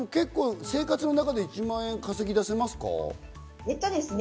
生活の中で１万円稼ぎ出せますか？